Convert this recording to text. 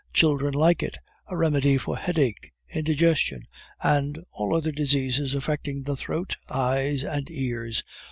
children like it! a remedy for headache, indigestion, and all other diseases affecting the throat, eyes, and ears!"